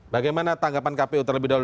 bagaimana tanggapan kpu terlebih dahulu